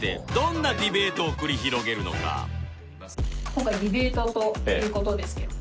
今回ディベートという事ですけど。